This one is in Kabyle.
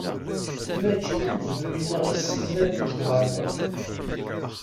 Mačči d amezruy-nneɣ i sselmaden deg uɣerbaz.